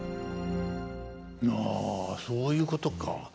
あそういうことか。